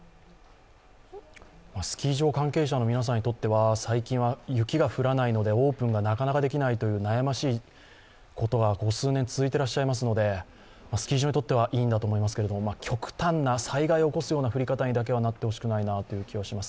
スキー場関係者の人にとっては最近雪が降らないのでオープンがなかなかできないという悩ましいことがここ数年続いていますので、スキー場にとってはいいと思いますが、極端な災害を起こすような降り方にはなってほしくないなという気がします。